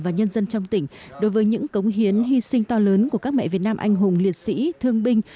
và nhân dân trong tỉnh đối với những cống hiến hy sinh to lớn của các mẹ việt nam anh hùng liệt sĩ thương binh